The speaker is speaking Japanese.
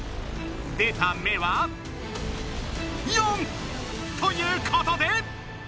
出た目は４！ということで！